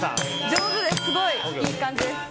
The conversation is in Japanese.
上手です、すごいいい感じです。